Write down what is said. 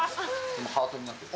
ハートになってる。